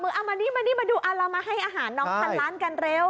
เอามานี่มานี่มาดูเรามาให้อาหารน้องพันล้านกันเร็ว